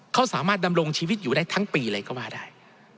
เขาสามารถดำรงชีวิตอยู่ได้ทั้งปีเลยก็ว่าได้